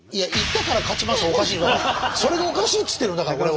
それがおかしいっつってるのだから俺は。